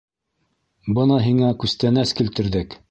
- Бына һиңә күстәнәс килтерҙек.